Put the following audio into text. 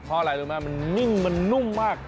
เพราะอะไรรู้ไหมมันนิ่งมันนุ่มมาก